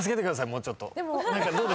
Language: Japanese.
もうちょっと。